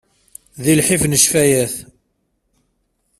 Deg llḥif n ccfayat.